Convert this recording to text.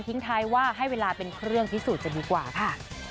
ท้ายว่าให้เวลาเป็นเครื่องพิสูจน์จะดีกว่าค่ะ